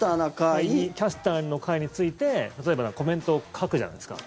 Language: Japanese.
「キャスターな会」について例えばコメントを書くじゃないですか。